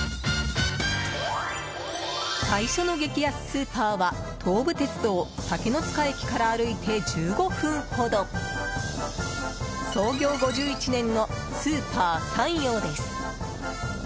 最初の激安スーパーは東武鉄道竹ノ塚駅から歩いて１５分ほど創業５１年のスーパーさんようです。